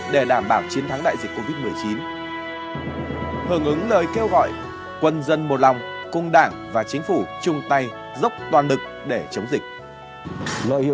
để đảm bảo chiến thắng đại dịch covid một mươi chín hưởng ứng lời kêu gọi quân dân một lòng cùng đảng và chính phủ chung tay dốc toàn lực để chống dịch